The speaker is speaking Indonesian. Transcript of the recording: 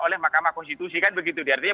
oleh mahkamah konstitusi kan begitu dia artinya